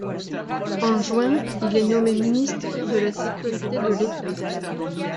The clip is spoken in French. En juin, il est nommé ministre de la Sécurité de l'État.